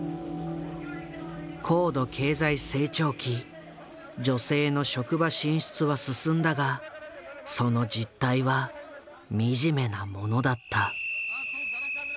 高度経済成長期女性の職場進出は進んだがその実態は惨めなものだった。